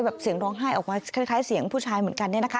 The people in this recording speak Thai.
เสียงร้องไห้ออกมาคล้ายเสียงผู้ชายเหมือนกันเนี่ยนะคะ